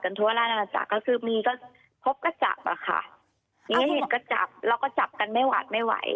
งั้นเห็นก็จับเราก็จับกันไม่หวากไม่ไหว